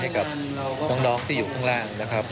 ให้กับน้องที่อยู่ข้างล่างนะครับ